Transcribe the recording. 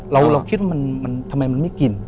เราคิดว่ามันทำไมมันไม่กิน